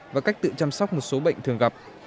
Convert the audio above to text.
và cách tự chăm sóc một số bệnh thường gặp